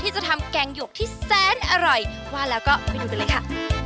จะทำแกงหยกที่แสนอร่อยว่าแล้วก็ไปดูกันเลยค่ะ